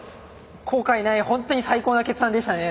後悔ない本当に最高の決断でしたね。